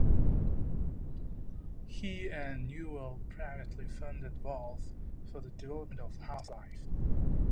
He and Newell privately funded Valve for the development of "Half-Life".